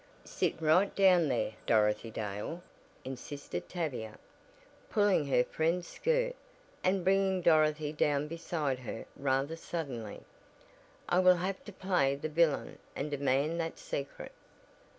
"Sit right down there, Dorothy Dale," insisted Tavia, pulling her friend's skirt, and bringing Dorothy down beside her rather suddenly. "I will have to play the villain and demand that 'secret'!"